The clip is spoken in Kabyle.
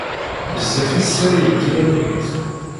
Bezzaf i tessalayemt iman-nkent!